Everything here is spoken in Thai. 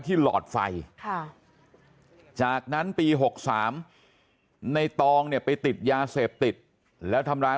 หลอดไฟจากนั้นปี๖๓ในตองเนี่ยไปติดยาเสพติดแล้วทำร้าย